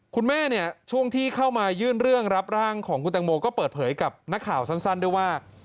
คุณแม่เนี่ยช่วงที่เข้ามายื่นเรื่องรับร่างของคุณตังโมก็เปิดเผยกับนักข่าวสั้นด้วยว่า